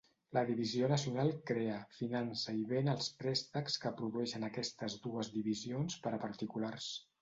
La divisió nacional crea, finança i ven els préstecs que produeixen aquestes dues divisions per a particulars.